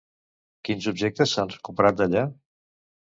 Quins objectes s'han recuperat d'allà?